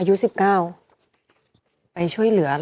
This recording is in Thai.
อายุ๑๙